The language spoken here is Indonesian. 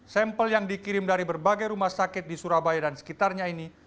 sampel yang dikirim dari berbagai rumah sakit di surabaya dan sekitarnya ini